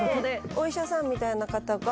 お医者さんみたいな方が。